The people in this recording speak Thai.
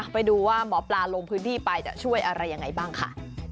ไปดูว่าหมอปลาลงพื้นที่ไปจะช่วยอะไรยังไงบ้างค่ะ